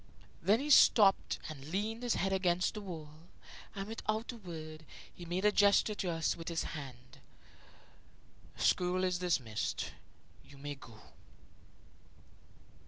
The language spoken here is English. Then he stopped and leaned his head against the wall, and, without a word, he made a gesture to us with his hand; "School is dismissed you may go."